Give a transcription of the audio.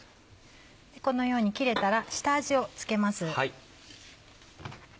このように切れたら下味を付けます。